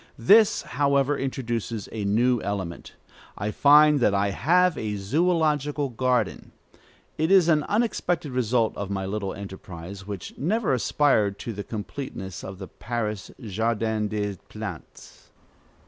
This, however, introduces a new element. I find that I have a zoölogical garden. It is an unexpected result of my little enterprise, which never aspired to the completeness of the Paris "Jardin des Plantes."